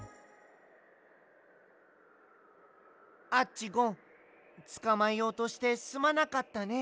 アッチゴンつかまえようとしてすまなかったね。